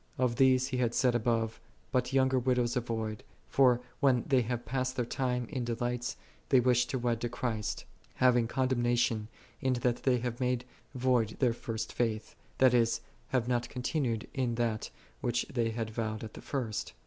"3 Of these he had said above, '" But younger widows avoid; for when they have past their time in delights, they wish to wed in Christ; having condemna tion, in that they have made void their first faith:" that is, have not continued in that, which they had vowed at the first.